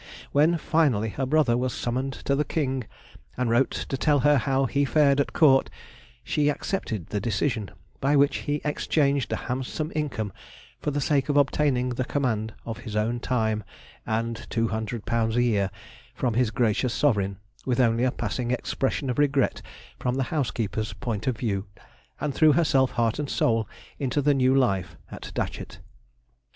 When, finally, her brother was summoned to the King, and wrote to tell her how he fared at Court, she accepted the decision, by which he exchanged a handsome income for the sake of obtaining the command of his own time, and £200 a year from his gracious sovereign, with only a passing expression of regret from the housekeeper's point of view, and threw herself heart and soul into the new life at Datchet.